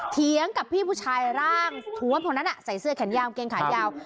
เถียงกับพี่ผู้ชายร่างทวมคนนั้นใส่เสื้อแขนยาวเกงขายาว